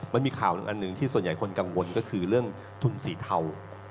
มันมีข่าวอันหนึ่งที่ส่วนใหญ่คนกังวลก็คือเรื่องทุนสีเทา